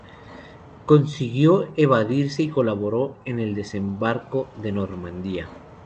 Consiguió evadirse y colaboró en el desembarco de Normandía.